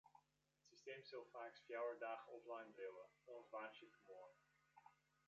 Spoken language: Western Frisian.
It systeem sil faaks fjouwer dagen offline bliuwe, oant woansdeitemoarn.